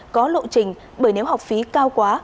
có lộ trình bởi nếu học phí cao quá